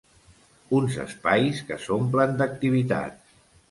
Uns espais que s’omplen d’activitats.